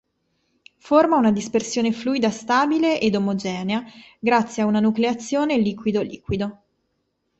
Forma una dispersione fluida stabile ed omogenea grazie a una nucleazione liquido-liquido.